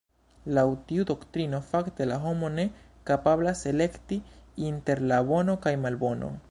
Laŭ tiu doktrino, fakte, la homo ne kapablas elekti inter la bono kaj malbono.